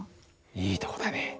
いいとこだね。